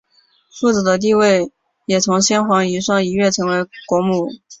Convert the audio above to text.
富子的地位也从先皇遗孀一跃成为国母。